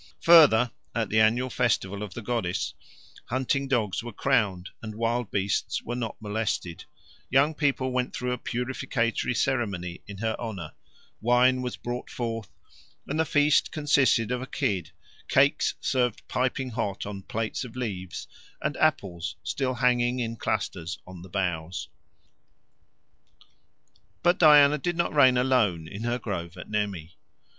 Further, at the annual festival of the goddess, hunting dogs were crowned and wild beasts were not molested; young people went through a purificatory ceremony in her honour; wine was brought forth, and the feast consisted of a kid cakes served piping hot on plates of leaves, and apples still hanging in clusters on the boughs. But Diana did not reign alone in her grove at Nemi.